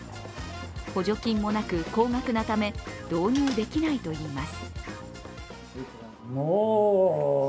補助金もなく、高額なため導入できないといいます。